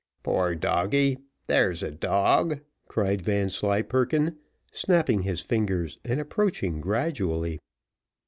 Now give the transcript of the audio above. "Poor doggy, there's a dog," cried Vanslyperken, snapping his fingers, and approaching gradually.